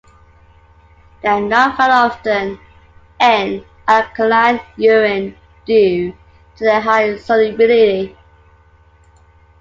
They are not found often in alkaline urine due to their high solubility.